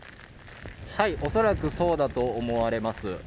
恐らくそうだと思われます。